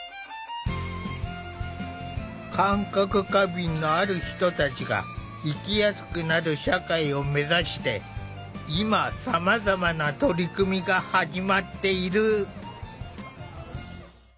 感覚過敏のある人たちが生きやすくなる社会をめざして今さまざまな取り組みが始まっている。